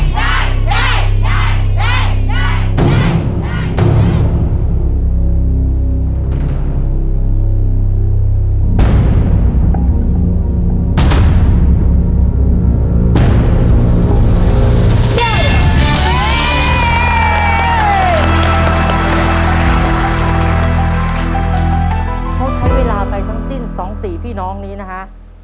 เขาใช้เวลาไปทั้งสิ้น๒๔พี่น้องนี้นะคะ